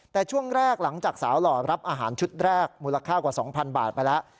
แต่ช่วงแรกหลังจากสาวหล่อรับอาหารชุดแรกมูลค่ากว่า๒๐๐๐บาทไปแล้ว